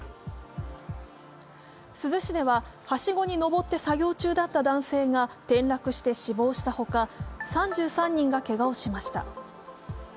珠洲市では、はしごに上って作業中だった男性が転落して死亡したほか、３３人がけがをしました。